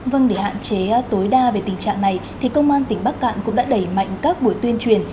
vâng để hạn chế tối đa về tình trạng này thì công an tỉnh bắc cạn cũng đã đẩy mạnh các buổi tuyên truyền